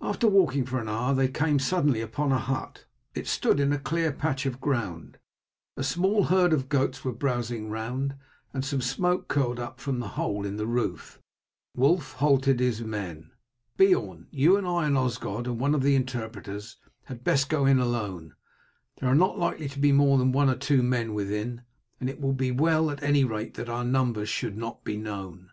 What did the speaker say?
After walking for an hour they came suddenly upon a hut. It stood in a cleared patch of ground; a small herd of goats were browsing round, and some smoke curled up from a hole in the roof. Wulf halted his men. "Beorn, you and I and Osgod and one of the interpreters had best go in alone; there are not likely to be more than one or two men within, and it will be well at any rate that our numbers should not be known."